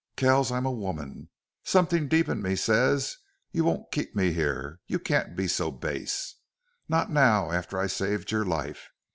"Kells! I'm a woman. Something deep in me says you won't keep me here you can't be so base. Not now, after I saved your life!